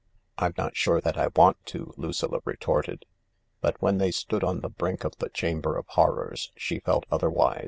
" I'm not sure that I want to," Lucilla retorted. But when they stood on the brink of the Chamber of Horrors she felt otherwise.